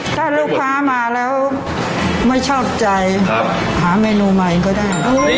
ถ้าลูกค้ามาแล้วไม่ชอบใจหาเมนูใหม่เองก็ได้